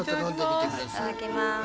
へえいただきます。